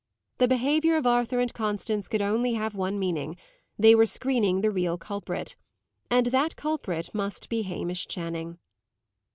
The behaviour of Arthur and Constance could only have one meaning: they were screening the real culprit. And that culprit must be Hamish Channing.